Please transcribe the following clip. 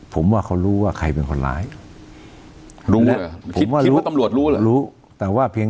ผมว่าเขารู้ว่าใครเป็นคนร้าย